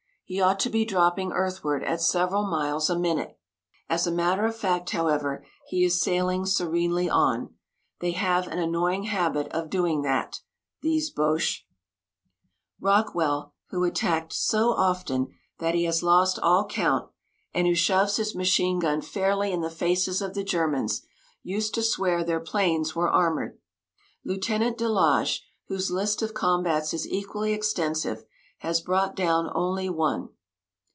He ought to be dropping earthward at several miles a minute. As a matter of fact, however, he is sailing serenely on. They have an annoying habit of doing that, these Boches. Rockwell, who attacked so often that he has lost all count, and who shoves his machine gun fairly in the faces of the Germans, used to swear their planes were armoured. Lieutenant de Laage, whose list of combats is equally extensive, has brought down only one.